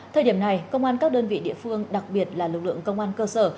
thời điểm này công an các đơn vị địa phương đặc biệt là lực lượng công an cơ sở